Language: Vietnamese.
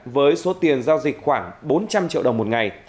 với số tiền giao dịch khoảng bốn trăm linh triệu đồng một ngày